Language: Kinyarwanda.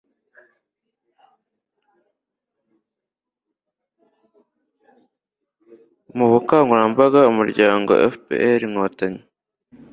mu bukangurambaga umuryango fpr – inkotanyi